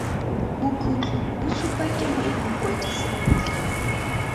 Bokhutlo bo supa kemo ya mokwadi sentle.